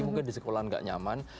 mungkin di sekolah nggak nyaman